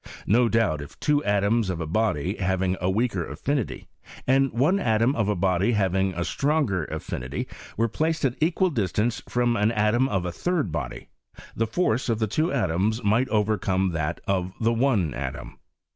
No doubt if two atoms of a body having a weaker affi nity, and one atom of a body having a stronger affinity, were placed at equal distances from an atom of a third body, the force of the two atoms might overcome that of the one atom.